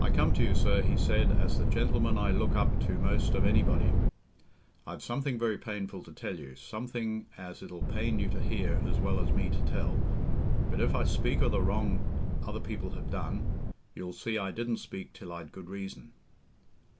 "I come to you, sir," he said, "as the gentleman I look up to most of anybody. I've something very painful to tell you—something as it'll pain you to hear as well as me to tell. But if I speak o' the wrong other people have done, you'll see I didn't speak till I'd good reason."